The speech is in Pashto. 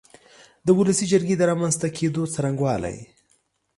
د ولسي جرګې د رامنځ ته کېدو څرنګوالی